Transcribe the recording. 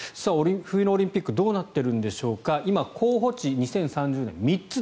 冬のオリンピックどうなっているんでしょうか今、候補地２０３０年、３つです。